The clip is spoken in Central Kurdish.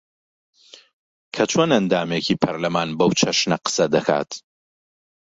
کە چۆن ئەندامێکی پەرلەمان بەو چەشنە قسە دەکات